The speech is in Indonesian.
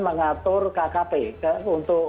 mengatur kkp untuk